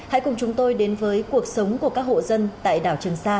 hãy cùng chúng tôi đến với cuộc sống của các hộ dân tại đảo trường sa